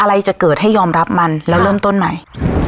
อะไรจะเกิดให้ยอมรับมันแล้วเริ่มต้นใหม่